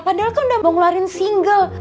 padahal kan udah mau ngeluarin single